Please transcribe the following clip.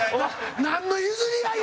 なんの譲り合いや！